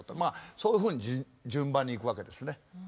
そういうふうに順番にいくわけですね。